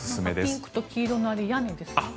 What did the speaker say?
ピンクと黄色のやつ屋根ですか？